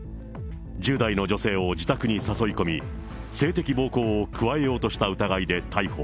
１０代の女性を自宅に誘い込み、性的暴行を加えようとした疑いで逮捕。